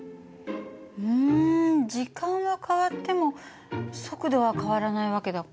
うん時間は変わっても速度は変わらない訳だから。